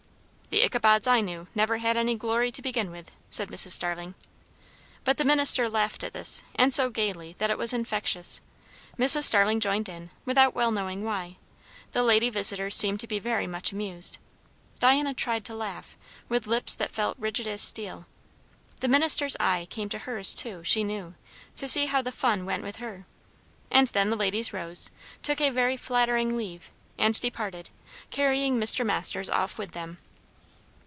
'" "The Ichabods I knew, never had any glory to begin with," said Mrs. Starling. But the minister laughed at this, and so gaily that it was infectious. Mrs. Starling joined in, without well knowing why; the lady visitors seemed to be very much amused. Diana tried to laugh, with lips that felt rigid as steel. The minister's eye came to hers too, she knew, to see how the fun went with her. And then the ladies rose, took a very flattering leave, and departed, carrying Mr. Masters off with them.